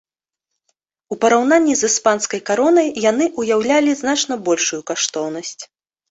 У параўнанні з іспанскай каронай яны ўяўлялі значна большую каштоўнасць.